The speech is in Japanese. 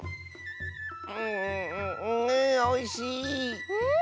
んおいしい！